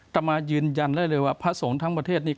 ตามายืนยันเร็วว่าพระสงฆ์ทั้งประเทศนี้